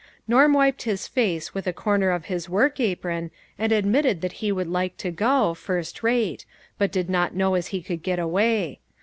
Norm wiped his face with a corner of his work apron, and admitted that he Avould like to go, first rate, but did not know as he could get away.